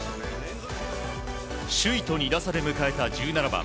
首位と２打差で迎えた１７番。